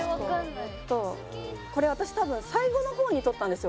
これ私多分最後の方に撮ったんですよ